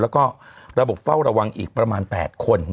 แล้วก็ระบบเฝ้าระวังอีกประมาณ๘คน